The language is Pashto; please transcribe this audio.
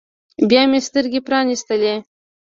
بيا مې سترګې پرانيستلې.